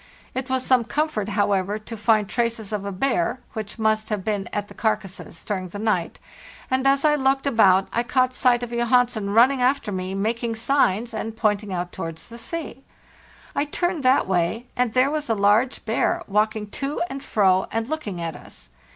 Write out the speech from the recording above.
It was some comfort, however, to find traces of a bear, which must have been at the carcasses during the night, and as I looked about I caught sight of Johansen running after me, making signs and pointing out towards the sea. [ turned that way, and there was a large bear, walking to and fro and looking at us.